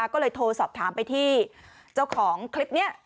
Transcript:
ก็เลยโทรสอบถามไปที่เจ้าของคลิปนี้